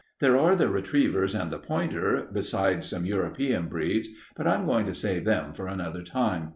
There are the retrievers and the pointer, besides some European breeds, but I'm going to save them for another time.